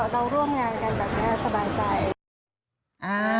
เราร่วมงานกันแบบนี้สบายใจ